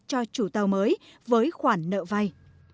cho trù tàu mới với khoản nợ vay